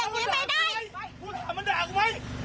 ฟูด่ามันด่ากูไหม